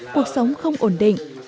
cuộc sống không ổn định